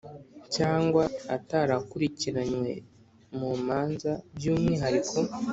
cyangwa atarakurikiranywe mu manza by’umwihariko